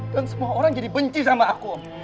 dan semua orang jadi benci sama aku om